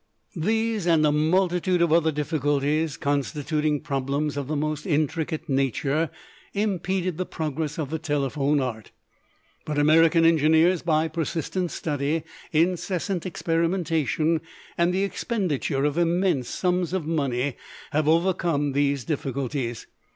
These and a multitude of other difficulties, constituting problems of the most intricate nature, impeded the progress of the telephone art, but American engineers, by persistent study, incessant experimentation, and the expenditure of immense sums of money, have overcome these difficulties.